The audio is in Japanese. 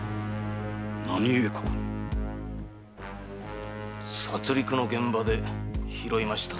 何故ここに⁉殺戮の現場で拾いました。